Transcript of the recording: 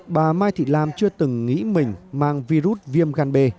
bà mai thị lam chưa từng nghĩ mình mang virus viêm gan b